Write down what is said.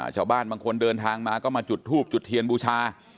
ชาวบ้านบางคนเดินทางมาก็มาจุดทูบจุดเทียนบูชา